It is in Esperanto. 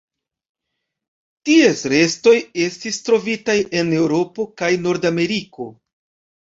Ties restoj estis trovitaj en Eŭropo kaj Nordameriko.